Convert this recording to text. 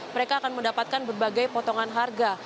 mereka akan mendapatkan berbagai potongan harga